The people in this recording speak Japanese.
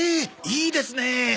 いいですねえ。